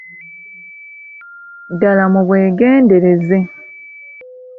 Ddala mubwegendereze.